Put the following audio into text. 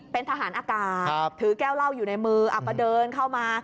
เป็นทหารอากาศถือแก้วเหล้าอยู่ในมือก็เดินเข้ามา